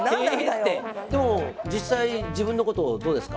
でも実際自分のことどうですか？